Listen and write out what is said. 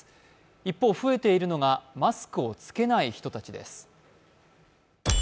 一方、増えているのがマスクを着けない人たちです。